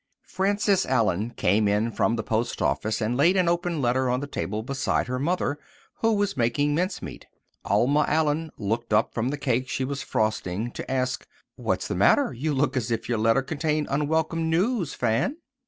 ToC Frances Allen came in from the post office and laid an open letter on the table beside her mother, who was making mincemeat. Alma Allen looked up from the cake she was frosting to ask, "What is the matter? You look as if your letter contained unwelcome news, Fan."